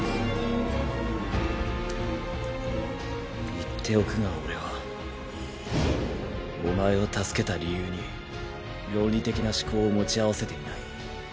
言っておくが俺はお前を助けた理由に論理的な思考を持ち合わせていない。